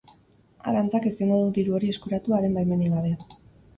Arantzak ezingo du diru hori eskuratu haren baimenik gabe.